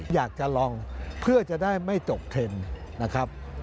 อยากจะลองเพื่อจะได้ไม่ตกเทรนด์นะครับ